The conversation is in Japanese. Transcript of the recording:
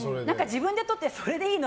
自分で撮ってそれいいの？